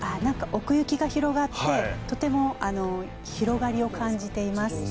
奥行きが広がってとても広がりを感じています。